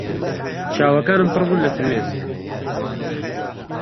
چاوەکانم پڕ بوون لە فرمێسک.